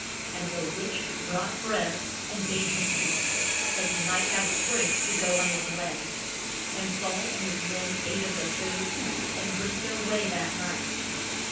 And the witch brought bread and bade him eat, that he might have strength to go on his way. And Saul and his men ate of the food, and went their way that night.